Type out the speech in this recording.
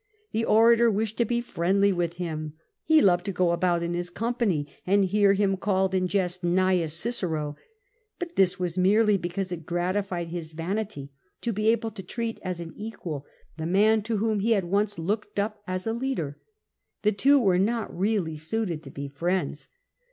The orator wished to be friendly with him ; he loved to go about in his company and to hear him called in jest ''Gnaeus Cicero;" but this was merely because it gratified his vanity to be able to treat as an equal the man to whom he had once looked up as a leader. The two were not really suited to be friends.